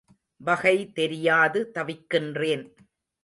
வகை தெரியாது தவிக்கின்றேன்.